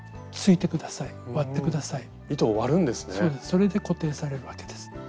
それで固定されるわけです。